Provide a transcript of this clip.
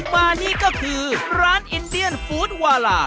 มานี่ก็คือร้านอินเดียนฟู้ดวาลา